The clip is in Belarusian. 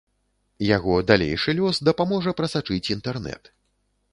Яго далейшы лёс дапаможа прасачыць інтэрнэт.